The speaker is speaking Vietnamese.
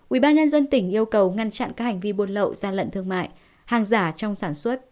ubnd tỉnh yêu cầu ngăn chặn các hành vi buôn lậu gian lận thương mại hàng giả trong sản xuất